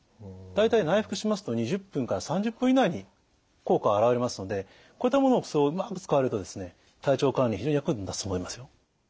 大体内服しますと２０分から３０分以内に効果が現れますのでこういったものをうまく使われると体調管理に非常に役に立つと思いますよ。